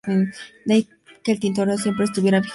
De ahí que el tintorero siempre estuviera vigilado y marginado.